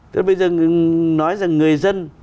tức là bây giờ nói rằng người dân